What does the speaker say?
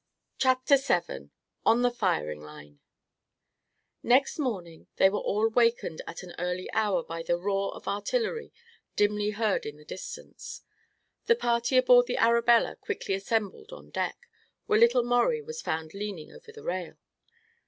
CHAPTER VII ON THE FIRING LINE Next morning they were all wakened at an early hour by the roar of artillery, dimly heard in the distance. The party aboard the Arabella quickly assembled on deck, where little Maurie was found leaning over the rail.